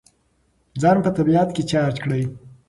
ځان په طبیعت کې چارج کړئ.